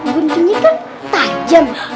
guntingnya kan tajam